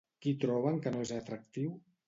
Qui troben que no és atractiu?